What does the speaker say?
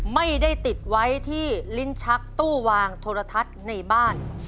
ไม่ได้ติดไว้ที่ลิ้นชักตู้วางโทรทัศน์ในบ้าน